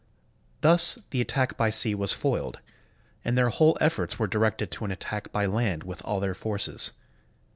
Thus the attack by sea was foiled, and their whole efforts were directed to an attack by land with all their forces.